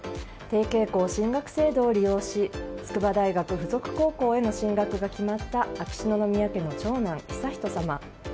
提携校進学制度を利用し筑波大学附属高校への進学が決まった秋篠宮家の長男・悠仁さま。